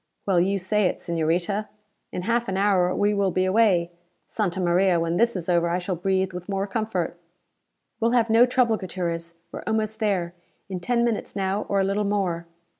"Well you say it. Señorita. In half an hour now, we will be away. Santa Maria, when this is over I shall breathe with more comfort!" "We'll have no trouble, Gutierrez. We're almost there. In ten minutes now, or a little more."